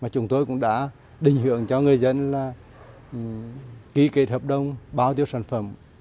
chúng tôi cũng đã định hưởng cho người dân là ký kết hợp đồng báo tiêu sản phẩm